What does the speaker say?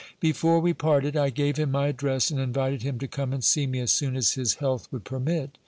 Before we parted, I gave him my address, and invited him to come and see me as soon as his health would permit.